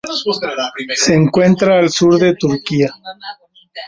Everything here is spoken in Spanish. Se encuentra al sur de Turquía.